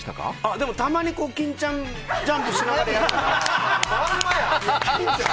でもたまに欽ちゃんジャンプしながらやることある。